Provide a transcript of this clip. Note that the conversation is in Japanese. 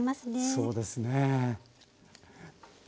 そうですね。